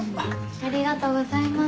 ありがとうございます。